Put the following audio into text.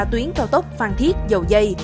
tuyến cao tốc phan thiết dầu dây